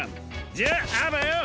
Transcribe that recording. じゃああばよ。